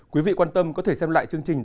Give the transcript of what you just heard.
quý vị quan tâm có thể xem lại chương trình